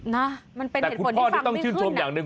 นะมันเป็นเหตุผลที่ฟังไม่ขึ้นนะแต่คุณพ่อต้องชื่นชมอย่างนึง